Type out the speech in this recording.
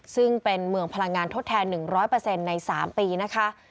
ซึ่งเป็นเมืองพลังงานทดแทน๑๐๐ใน๓ปีนะคะ